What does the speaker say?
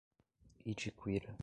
Itiquira